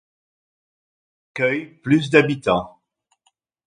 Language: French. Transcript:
Elle accueille plus de habitants.